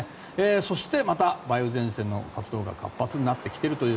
そして、梅雨前線の活動が活発になってきていると。